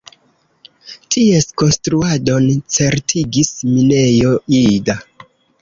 Ties konstruadon certigis Minejo Ida.